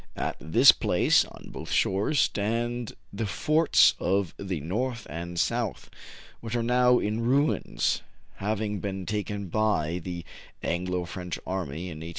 At this place, on both shores, stand the Forts of the North and South, which are now in ruins, having been taken by the Anglo French army in i860.